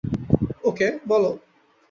ওকে, বলো।